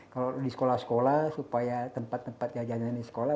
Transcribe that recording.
kalau di sekolah sekolah supaya tempat tempat jajanan di sekolah